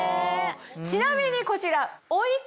ちなみにこちら。